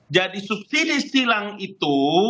jadi subsidi silang itu